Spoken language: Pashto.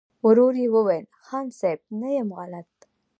ورو يې وويل: خان صيب! نه يم غلط.